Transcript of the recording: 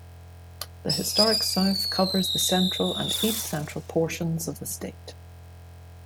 The Historic South covers the central and east-central portions of the state.